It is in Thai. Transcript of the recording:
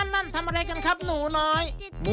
นั่นทำอะไรกันครับหนูน้อย